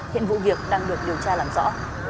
hiện vụ việc đang được điều tra làm rõ